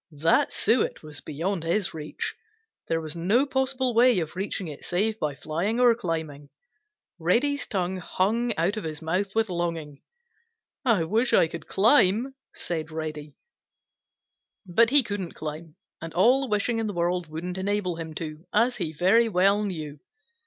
That suet was beyond his reach. There was no possible way of reaching it save by flying or climbing. Reddy's tongue hung out of his mouth with longing. "I wish I could climb," said Reddy. But he couldn't climb, and all the wishing in the world wouldn't enable him to, as he very well knew.